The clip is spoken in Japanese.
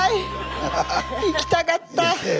行きたかった！え？